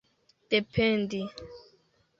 dependi